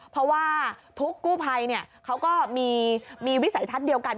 เพราะว่าทุกกู้ภัยเขาก็มีวิสัยทัศน์เดียวกัน